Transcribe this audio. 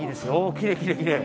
きれいきれいきれい。